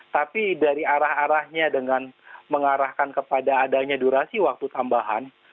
tapi dari arah arahnya dengan mengarahkan kepada adanya durasi waktu tambahan